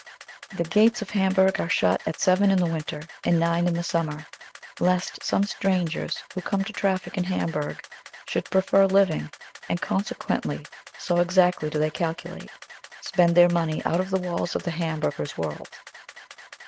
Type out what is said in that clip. The gates of Hamburg are shut at seven in the winter and nine in the summer, lest some strangers, who come to traffic in Hamburg, should prefer living, and consequently so exactly do they calculate spend their money out of the walls of the Hamburger's world.